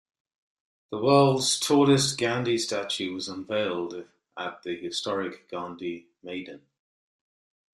The world's tallest Gandhi statue was unveiled at the historic Gandhi Maidan.